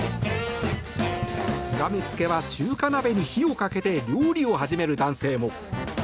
極めつけは、中華鍋に火をかけて料理を始める男性も。